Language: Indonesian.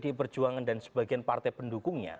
jokowi berjuang dan sebagian partai pendukungnya